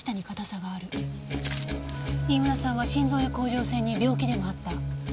飯村さんは心臓や甲状腺に病気でもあった？